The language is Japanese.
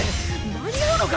間に合うのか？